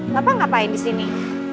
bapak ngapain di sini